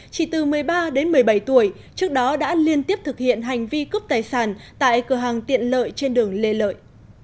chỉ từ một mươi ba đến một mươi bảy tuổi trước đó đã liên tiếp thực hiện hành vi cướp tài sản tại cửa hàng tiện lợi trên đường lê lợi